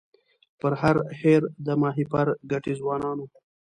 پر هر هېر د ماهیپر ګټي ځوانانو